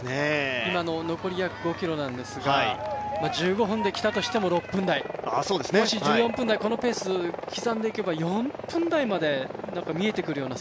残り約５ｋｍなんですが１５分できたとしても６分台、もし１４分台このペースを刻んでいけば４分台まで見えてくるような